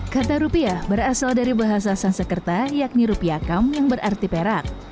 kata rupiah berasal dari bahasa sansekerta yakni rupiahkam yang berarti perak